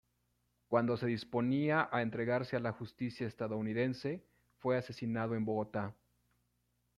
Cuando se disponía a entregarse a la justicia estadounidense, fue asesinado en Bogotá.